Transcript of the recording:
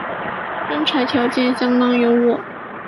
征才条件相当优渥